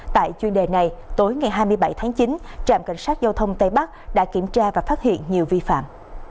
tại chuyên đề này tối ngày hai mươi bảy tháng chín trạm cảnh sát giao thông tây bắc đã kiểm tra và phát hiện nhiều vi phạm